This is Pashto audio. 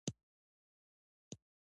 د نړۍ هر هيواد کې شرنوال ځوانان شتون لري.